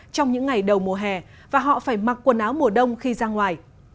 trong những ngày đầu mùa hè và họ phải mặc quần áo mùa đông khi ra ngoài